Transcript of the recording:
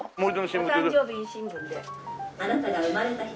「お誕生日新聞」で。